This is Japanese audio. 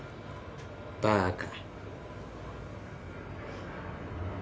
バカ。